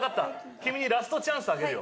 君にラストチャンスあげるよ。